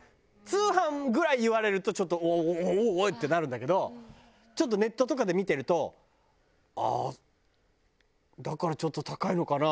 通販ぐらい言われるとちょっとおいおいってなるんだけどちょっとネットとかで見てると「ああだからちょっと高いのかな」